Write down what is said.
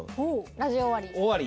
ラジオ終わり？